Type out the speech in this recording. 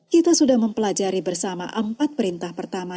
kita sudah mempelajari bersama empat perintah pertama